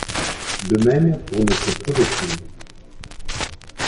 De même pour notre projectile.